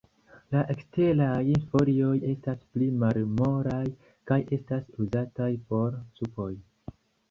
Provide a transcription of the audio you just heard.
La eksteraj folioj estas pli malmolaj, kaj estas uzataj por supoj.